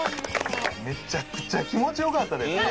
めちゃくちゃ気持ち良かったですね。